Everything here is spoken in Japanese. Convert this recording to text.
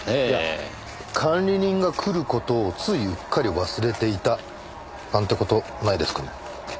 いや管理人が来る事をついうっかり忘れていたなんて事ないですかね？